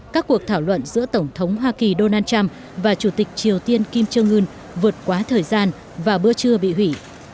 các cuộc thảo luận giữa tổng thống hoa kỳ donald trump và chủ tịch triều tiên kim trương ươn vượt quá thời gian và bữa trưa bị hủy